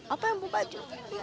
apa yang bawa baju